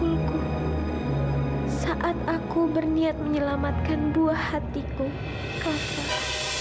memukulku saat aku berniat menyelamatkan buah hatiku kava